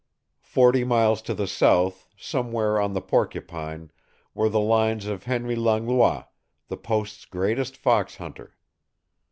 Forty miles to the south, somewhere on the Porcupine, were the lines of Henry Langlois, the post's greatest fox hunter.